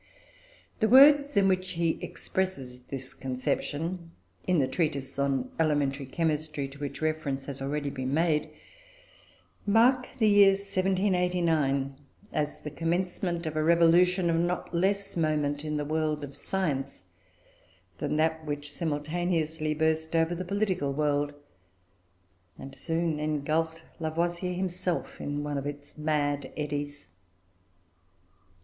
The words in which he expresses this conception, in the treatise on elementary chemistry to which reference has already been made, mark the year 1789 as the commencement of a revolution of not less moment in the world of science than that which simultaneously burst over the political world, and soon engulfed Lavoisier himself in one of its mad eddies.